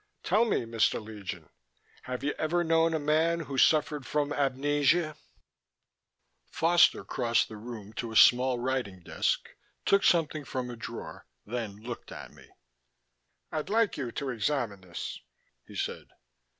"Tell me, Mr. Legion: have you ever known a man who suffered from amnesia?" Foster crossed the room to a small writing desk, took something from a drawer, then looked at me. "I'd like you to examine this," he said.